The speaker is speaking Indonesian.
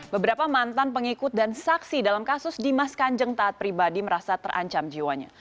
beberapa mantan pengikut dan saksi dalam kasus dimas kanjeng taat pribadi merasa terancam jiwanya